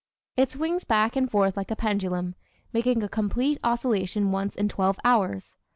It swings back and forth like a pendulum, making a complete oscillation once in twelve hours.